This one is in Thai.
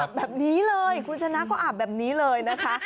แบบนี้เลยคุณชนะก็อาบแบบนี้เลยนะคะ